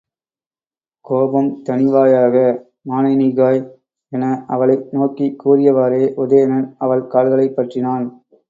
கோபம் தணிவாயாக மானனீகாய்! என அவளை நோக்கிக் கூறியவாறே உதயணன், அவள் கால்களைப் பற்றினான்.